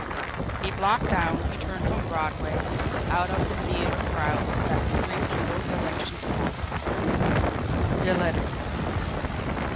A block down, he turned from Broadway out of the theatre crowds that streamed in both directions past him. The letter!